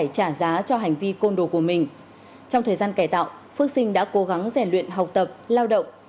trong thời gian cải tạo phước sinh đã cố gắng rèn luyện học tập lao động